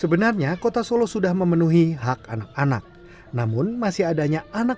sebenarnya kota solo sudah memenuhi hak anak anak namun masih adanya anak